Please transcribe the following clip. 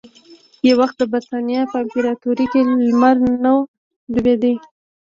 یو وخت د برېتانیا په امپراتورۍ کې لمر نه ډوبېده.